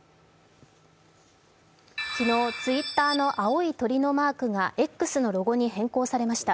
昨日、Ｔｗｉｔｔｅｒの青いマークがＸのロゴに変更されました。